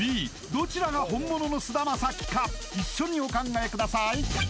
どちらが本物の菅田将暉か一緒にお考えください